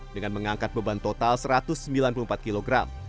dengan mengangkat beban total satu ratus sembilan puluh empat kg